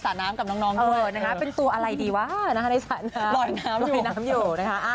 อะไรอย่างนี้นะแล้วตลกเลยครับ